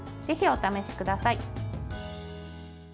ぜひ、お試しください。